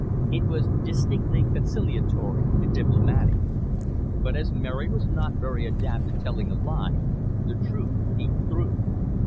It was distinctly conciliatory and diplomatic. But, as Mary was not very adapt at telling a lie, the truth peeped through.